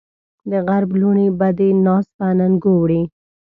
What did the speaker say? د غرب لوڼې به دې ناز په اننګو وړي